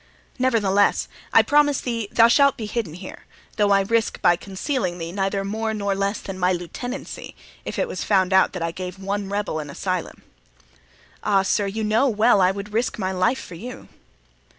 Nevertheless, I promise thee thou shalt be hidden here, though I risk by concealing thee neither more nor less than my lieutenancy, if it was found out that I gave one rebel an asylum." "Ah! sir, you know well I would risk my life for you."